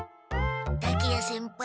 竹谷先輩